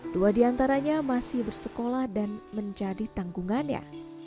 dua di antaranya masih bersekolah dan menjadi tanggungannya